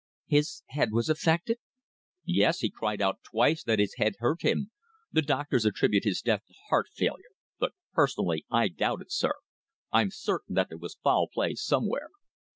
"His head was affected?" "Yes, he cried out twice that his head hurt him. The doctors attribute his death to heart failure. But, personally, I doubt it, sir! I'm certain that there was foul play somewhere."